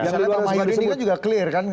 yang di luar bang mahyudin juga clear kan